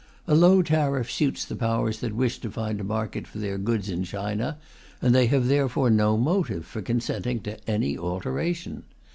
A low tariff suits the Powers that wish to find a market for their goods in China, and they have therefore no motive for consenting to any alteration.